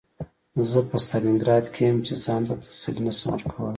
زه په ستالینګراډ کې یم چې ځان ته تسلي نشم ورکولی